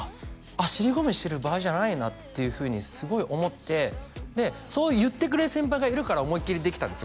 尻込みしてる場合じゃないなっていうふうにすごい思ってでそう言ってくれる先輩がいるから思いっきりできたんですよ